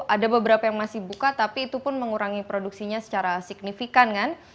ada beberapa yang masih buka tapi itu pun mengurangi produksinya secara signifikan kan